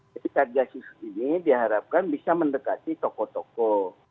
jadi satgas sus ini diharapkan bisa mendekati tokoh tokoh